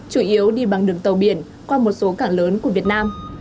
chủ yếu đi bằng đường tàu biển qua một số cảng lớn của việt nam